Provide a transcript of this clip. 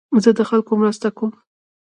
زه د خلکو مرسته کوم.